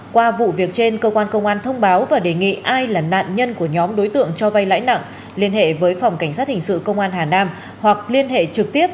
qua vụ việc trên cơ quan công an thông báo và đề nghị ai là nạn nhân của nhóm đối tượng cho vay lãi nặng liên hệ với phòng cảnh sát hình sự công an hà nam